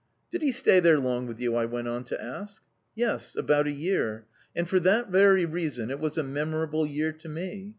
"Did he stay there long with you?" I went on to ask. "Yes, about a year. And, for that very reason, it was a memorable year to me.